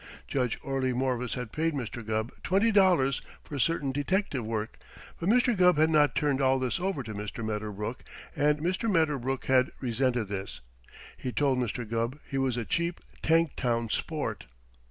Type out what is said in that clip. Judge Orley Morvis had paid Mr. Gubb twenty dollars for certain detective work, but Mr. Gubb had not turned all this over to Mr. Medderbrook, and Mr. Medderbrook had resented this. He told Mr. Gubb he was a cheap, tank town sport.